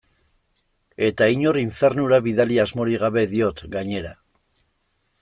Eta inor infernura bidali asmorik gabe diot, gainera.